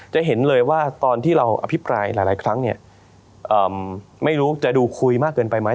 จะเห็นเลยว่าตอนที่เราอภิปรายหลายครั้งเนี่ยไม่รู้จะดูคุยมากเกินไปไหม